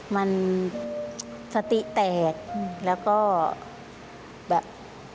มันสติแตกแล้วก็แบบ